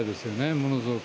ものすごく。